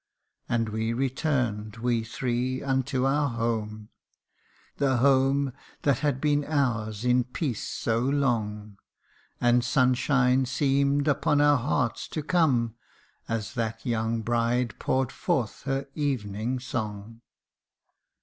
And we return'd, we three, unto our home The home that had been ours in peace so long, And sunshine seem'd upon our hearts to come, As that young bride pour'd forth her evening song.